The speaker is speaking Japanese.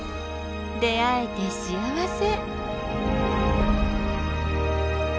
出会えて幸せ！